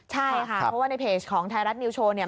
ใช่ค่ะเพราะว่าในเพจของไทยรัฐนิวโชว์เนี่ย